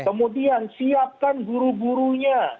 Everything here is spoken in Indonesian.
kemudian siapkan guru gurunya